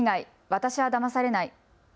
私はだまされない。